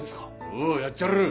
おうやっちゃる！